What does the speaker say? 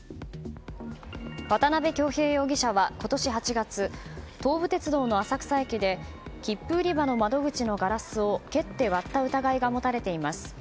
渡辺恭平容疑者は、今年８月東武鉄道の浅草駅で切符売り場の窓口のガラスを蹴って割った疑いが持たれています。